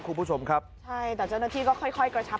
คุณผู้ชมครับใช่แต่เจ้าหน้าที่ก็ค่อยค่อยกระชับ